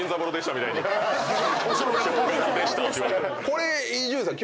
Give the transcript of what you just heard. これ伊集院さん